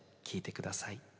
聴いてください。